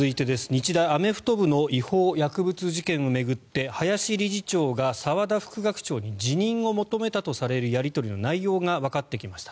日大アメフト部の違法薬物事件を巡って林理事長が澤田副学長に辞任を求めたとされるやり取りの内容がわかってきました。